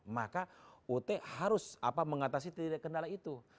maka ut harus mengatasi kendala itu